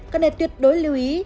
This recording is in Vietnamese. cần để tuyệt đối lưu ý